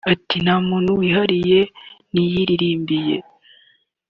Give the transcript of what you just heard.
Ati “ Nta muntu wihariye nayiririmbiye